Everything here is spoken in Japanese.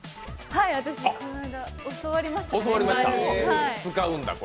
はい、私、この間教わりました。